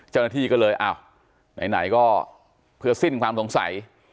เจ้าหน้าที่ก็เลยอ้าวไหนก็เพื่อสิ้นความสงสัย